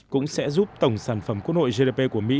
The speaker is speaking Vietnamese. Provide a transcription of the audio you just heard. cũng sẽ giúp tổng sản phẩm quốc nội gdp của mỹ